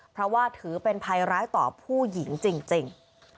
เพราะว่าถือเป็นภัยร้ายต่อผู้หญิงจริง